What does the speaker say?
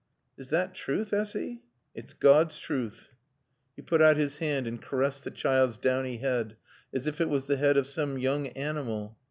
"Is thot truth, Essy?" "It's Gawd's truth." He put out his hand and caressed the child's downy head as if it was the head of some young animal.